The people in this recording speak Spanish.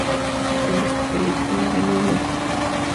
El guion de esta película, ganó un Oscar.